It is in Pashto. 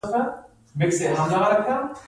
آیا د کابل ښاروالي عواید په ښار لګوي؟